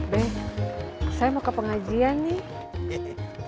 deh saya mau ke pengajian nih